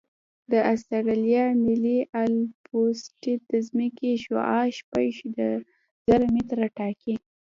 د اسټرالیا ملي الپسویډ د ځمکې شعاع شپږ زره متره ټاکي